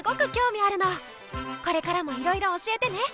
これからもいろいろ教えてね。